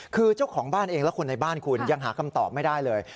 คือเจ้าของบ้านเองและคนในบ้านคุณยังหาคำตอบไม่ได้เลย